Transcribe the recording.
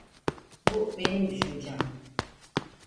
Bu benim düşüncem.